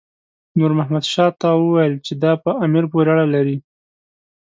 نور محمد شاه ته وویل چې دا په امیر پورې اړه لري.